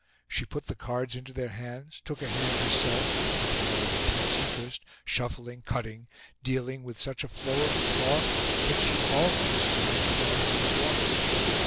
She put the cards into their hands, took a hand herself with an air of intense interest, shuffling, cutting, dealing with such a flow of talk that she almost drowned the noise of the water.